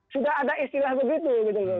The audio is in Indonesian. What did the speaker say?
sudah ada istilah begitu loh